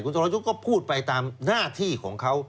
สรยุทธ์ก็พูดไปตามหน้าที่ของเขา